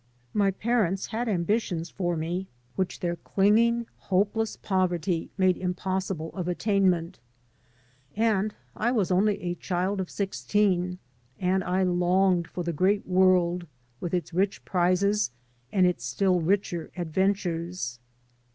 My parents had ambitions for me which their clinging, THE PROPHET FROM AMERICA hopeless poverty made impossible of attaimnent. And I was only a child of sixteen, and I longed for the great world with its rich prizes and its still richer adventures.